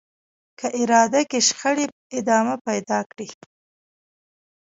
که اداره کې شخړې ادامه پيدا کړي.